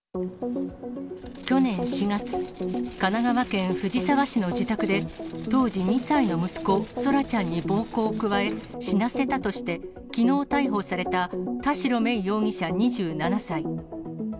去年４月、神奈川県藤沢市の自宅で、当時２歳の息子、空来ちゃんに暴行を加え、死なせたとして、きのう逮捕された、田代芽衣容疑者２７歳。